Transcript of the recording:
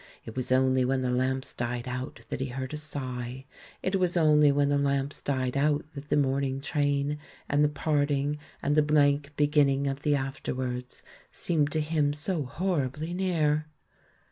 It was only when the lamps died out that he heard a sigh; it was only when the lamps died out that the morning train, and the parting, and the blank beginning of the after wards, seemed to him so horriblv near.